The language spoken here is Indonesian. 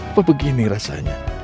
apa begini rasanya